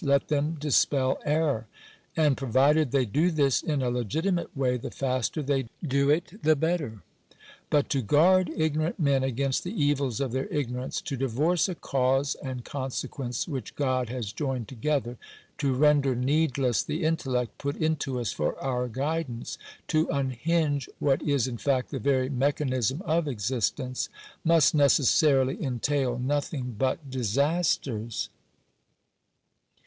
Let them dispel error; and, provided they do this in a legitimate way, the faster they do it the better. But to guard ignorant men against the evils of their ignorance — to divorce a cause and consequence which God has joined together — to render needless the intellect put into us for our guidance — to unhinge what is, in fact, the very mechanism of existence — must necessarily entail nothing but disasters.